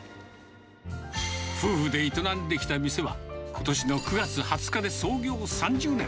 夫婦で営んできた店は、ことしの９月２０日で創業３０年。